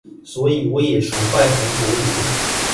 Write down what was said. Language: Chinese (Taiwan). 所以我也崇拜韓國瑜